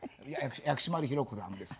薬師丸ひろ子さんです。